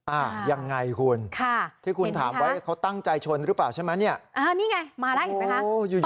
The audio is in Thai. อ่ายังไงคุณค่ะที่คุณถามไว้เขาตั้งใจชนหรือเปล่าใช่ไหมเนี่ยอ่านี่ไงมาแล้วเห็นไหมคะ